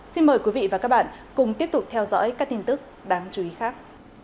xin mời quý vị và các bạn cùng tiếp tục theo dõi các tin tức đáng chú ý khác